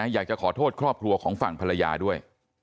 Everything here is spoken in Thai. อยากจะขอโทษครอบครัวของฝั่งภรรยาด้วย